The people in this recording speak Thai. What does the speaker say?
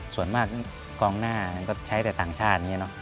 ส่วนมากกองหน้าใช้แต่ต่างชาติ